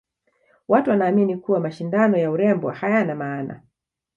watu wanaamini kuwa mashindano ya urembo hayana maana